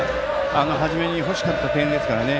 初めに欲しかった点ですからね。